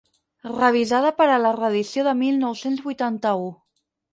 Revisada per a la reedició de mil nou-cents vuitanta-u.